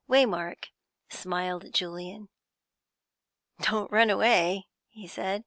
Waymark smiled at Julian. "Don't run away," he said.